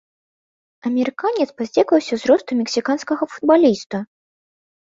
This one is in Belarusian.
Амерыканец паздзекаваўся з росту мексіканскага футбаліста.